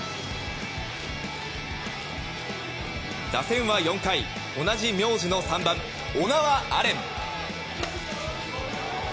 打線は４回同じ名字の３番、小川亜怜。